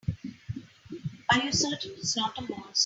Are you certain it's not a monster?